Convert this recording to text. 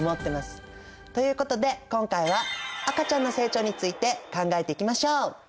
ということで今回は赤ちゃんの成長について考えていきましょう。